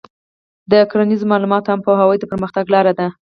د کرنیزو معلوماتو عامه پوهاوی د پرمختګ لاره ده.